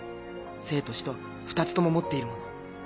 生と死と２つとも持っているもの。